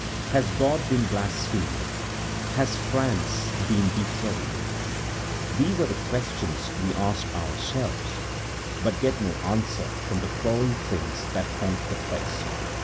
Has God been blasphemed, has France been here betrayed? These are the questions we ask ourselves, but get no answer from the crawling things that haunt the place.